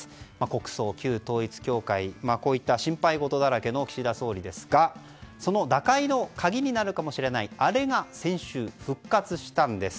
国葬、旧統一教会こういった心配事だらけの岸田総理ですがその打開の鍵になるかもしれないあれが先週、復活したんです。